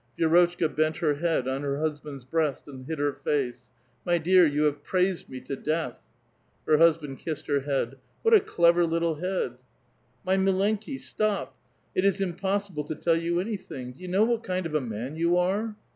Vit^rotchka bent her head on her husband's breast, and hid her face. '' My dear, you have praised me to death." Her husband kissed her head. ^* What a clever little head !"^*' Mileiiki mot^ stop! It is impossible to tell you any thing ! Do you know what kind of a man you are?